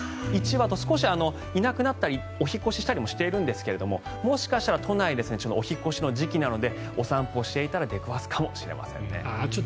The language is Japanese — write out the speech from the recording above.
１羽と少しいなくなったりお引っ越しをしたりしているんですがもしかしたら都内でお引っ越しの時期なのでお散歩していたら出くわすかもしれません。